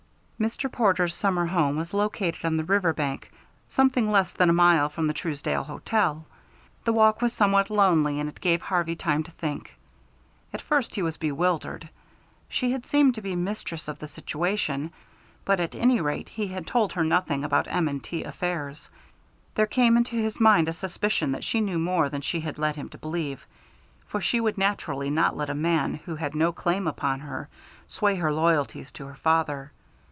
Mr. Porter's summer home was located on the river bank, something less than a mile from the Truesdale Hotel. The walk was somewhat lonely, and it gave Harvey time to think. At first he was bewildered. She had seemed to be mistress of the situation, but at any rate he had told her nothing about M. & T. affairs. There came into his mind a suspicion that she knew more than she had led him to believe, for she would naturally not let a man who had no claim upon her sway her loyalty to her father.